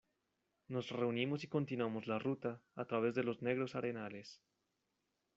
nos reunimos y continuamos la ruta a través de los negros arenales.